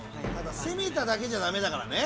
攻めただけじゃダメだからね。